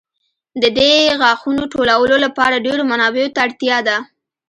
د دې غاښونو ټولولو لپاره ډېرو منابعو ته اړتیا ده.